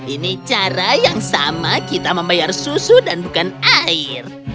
ini cara yang sama kita membayar susu dan bukan air